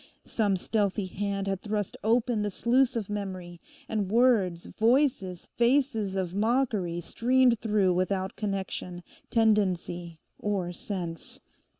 Some stealthy hand had thrust open the sluice of memory. And words, voices, faces of mockery streamed through without connection, tendency, or sense.